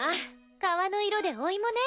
皮の色でお芋ね。